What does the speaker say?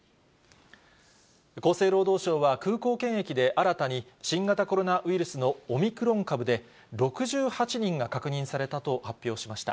厚生労働省は空港検疫で、新たに新型コロナウイルスのオミクロン株で、６８人が確認されたと発表しました。